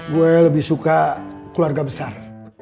gue lebih suka keluarga besar